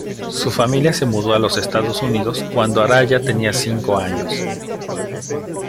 Su familia se mudó a los Estados Unidos cuando Araya tenía cinco años.